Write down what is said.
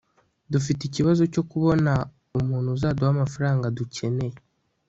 dufite ikibazo cyo kubona umuntu uzaduha amafaranga dukeneye